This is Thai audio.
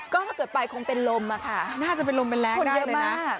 ก็ถ้าเกิดไปคงเป็นลมอะค่ะน่าจะเป็นลมเป็นแรงได้เลยนะ